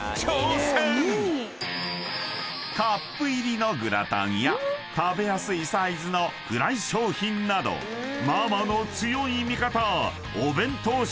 ［カップ入りのグラタンや食べやすいサイズのフライ商品などママの強い味方お弁当